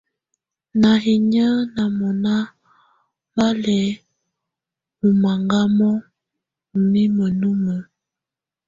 Ná inyǝ́ ná mɔ́ná bá lɛ́ ɔ́ maŋgámɔ ú mimǝ́ numǝ́.